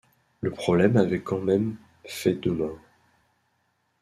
Le problème avait quand même fait deux morts.